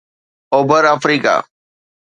اوڀر آفريڪا